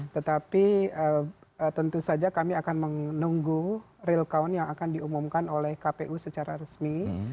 tetapi tentu saja kami akan menunggu real count yang akan diumumkan oleh kpu secara resmi